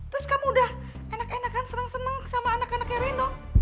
terus kamu udah enak enakan senang senang sama anak anaknya reno